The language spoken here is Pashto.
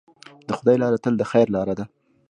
د خدای لاره تل د خیر لاره ده.